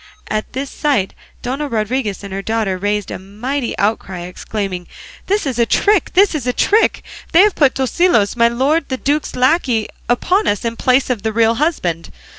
At this sight Dona Rodriguez and her daughter raised a mighty outcry, exclaiming, "This is a trick! This is a trick! They have put Tosilos, my lord the duke's lacquey, upon us in place of the real husband.